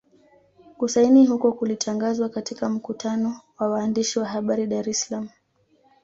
Kusaini huko kulitangazwa katika mkutano wa waandishi wa habari Dar es Salaam